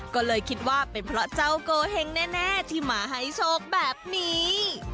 ก็เลยคิดว่าเป็นเพราะเจ้าโกเหงแน่ที่มาให้โชคแบบนี้